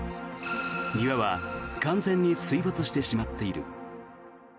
庭は完全に水没してしまっている。